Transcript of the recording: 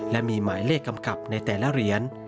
และมีหมายเลขกำกับในแต่ละเหรียญ